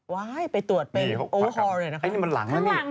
ว้ายไปถวดไปโอเวิลหัวเลยนะครับ